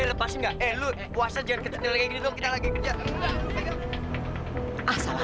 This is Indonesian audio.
eh makasih mak